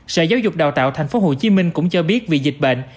sở giáo dục đào tạo tp hcm cũng cho biết vì dịch bệnh